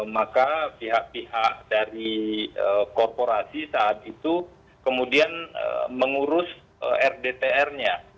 maka pihak pihak dari korporasi saat itu kemudian mengurus rdtr nya